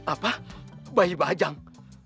apa bayi bajang